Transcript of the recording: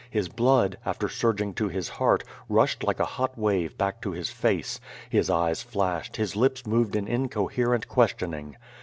His blood, after surging to his heart, rushed like a hot w^ave back to his face; his eyes flashed; his lips moved in incoherent questioning.